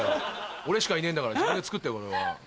俺しかいねえんだから自分で作って。